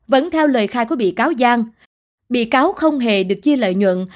vẫn theo lời khai của bị cáo giang bị cáo không hề được chia lợi nhuận